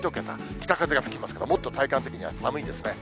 北風が吹きますから、もっと体感的には寒いんですね。